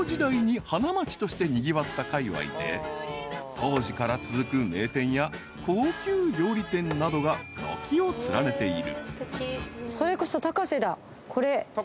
［当時から続く名店や高級料理店などが軒を連ねている］